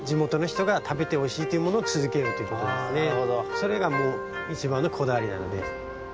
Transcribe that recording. それがもういちばんのこだわりなので。